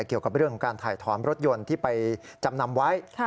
เกี่ยวกับเรื่องของการถ่ายถอนรถยนต์ที่ไปจำนำไว้